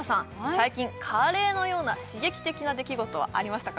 最近カレーのような刺激的な出来事はありましたか？